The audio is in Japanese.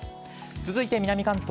続いて南関東。